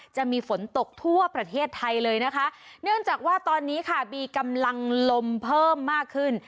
จะมีฝนตกทั่วประเทศไทยเลยนะคะเนื่องจากว่าตอนนี้ค่ะมีกำลังลมเพิ่มมากขึ้น